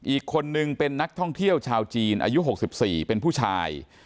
อีกคนนึงเป็นนักท่องเที่ยวชาวจีนอายุ๖๔เป็นผู้ชาย